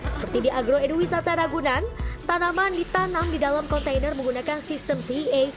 seperti di agroedwisata ragunan tanaman ditanam di dalam kontainer menggunakan sistem cea